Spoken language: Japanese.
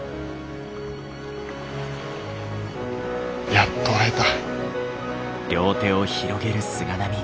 やっと会えた。